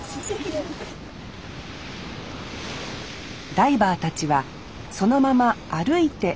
ダイバーたちはそのまま歩いて海へ。